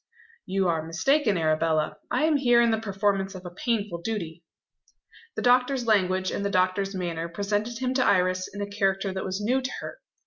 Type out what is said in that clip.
"You are mistaken, Arabella. I am here in the performance of a painful duty." The doctor's language, and the doctor's manner, presented him to Iris in a character that was new to her.